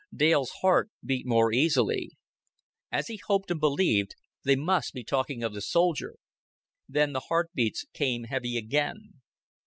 Dale's heart beat more easily. As he hoped and believed, they must be talking of the soldier. Then the heart beats came heavy again.